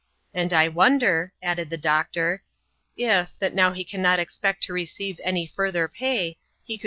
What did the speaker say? And I wonder, added the doctor, if, that now he can not expect to receive any further pay, b^ co\i\!